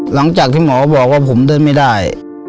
หลังจากที่หมอบอกว่าผมเดินไม่ได้